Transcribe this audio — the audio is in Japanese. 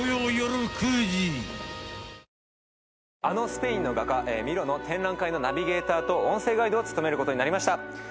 あのスペインの画家ミロの展覧会のナビゲーターと音声ガイドを務めることになりました。